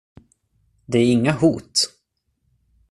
Det är inga hot.